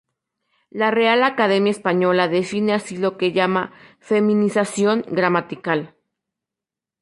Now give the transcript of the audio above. La Real Academia Española define así lo que llama feminización gramatical.